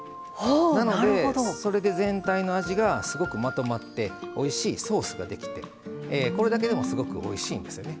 なので、それで全体の味がすごくまとまっておいしいソースができてこれだけでもすごくおいしいんですよね。